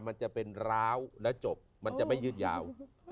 มันจะเป็นร้าวแล้วจบมันจะไม่ยืดยาว